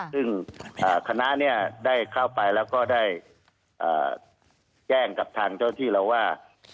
ซึ่งคณะเนี่ยได้เข้าไปแล้วก็ได้แจ้งกับทางเจ้าที่เราว่า